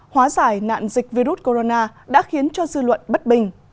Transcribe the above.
hóa giải nạn dịch virus corona đã khiến cho dư luận bất bình